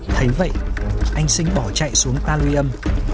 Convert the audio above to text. thấy vậy anh sinh bỏ chạy xuống ta lùi âm